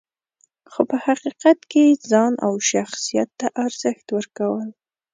خو په حقیقت کې یې ځان او شخصیت ته ارزښت ورکول .